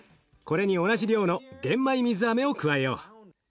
これに同じ量の玄米水あめを加えよう。